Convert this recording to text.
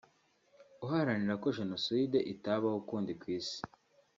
uharanira ko Jenoside itabaho ukundi ku isi